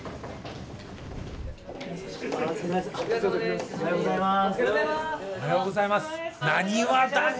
ありがとうございます！